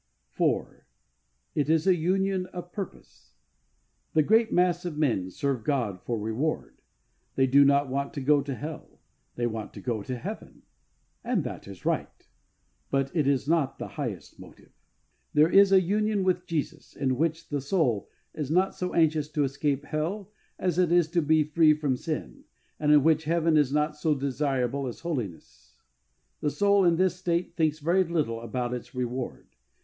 IV. It is a Union of Purpose. The great mass of men serve God for reward ; they do not want to go to hell ; they want to go to heaven. And that is right. But it is not the highest motive. There is a union with Jesus in which the soul is not so anxious to escape hell as it is to be free from 66 HEART TALKS ON HOLINESS. sin, and in which heaven is not so desirable as holiness. The soul in this state thinks very little about its reward.